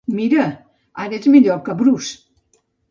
Mira! Ara ets millor que Bruce.